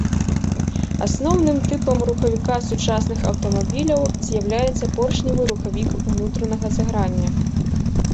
Асноўным тыпам рухавіка сучасных аўтамабіляў з'яўляецца поршневы рухавік унутранага згарання.